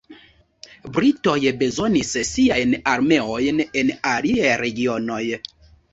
Britoj bezonis siajn armeojn en aliaj regionoj.